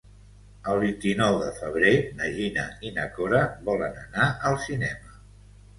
El vint-i-nou de febrer na Gina i na Cora volen anar al cinema.